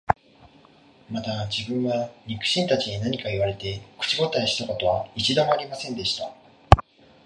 また自分は、肉親たちに何か言われて、口応えした事は一度も有りませんでした